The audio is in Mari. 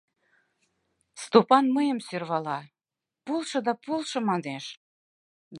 Стопан мыйым сӧрвала: полшо да полшо, манеш.